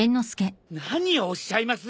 何をおっしゃいます。